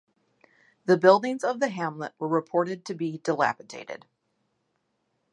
The buildings of the hamlet were reported to be dilapidated.